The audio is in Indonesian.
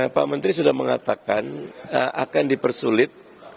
pak menteri sudah mengatakan akan dipersulit